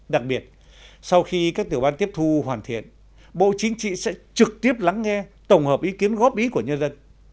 đặc biệt sau khi các tiểu ban tiếp thu hoàn thiện bộ chính trị sẽ trực tiếp lắng nghe tổng hợp ý kiến góp ý của nhân dân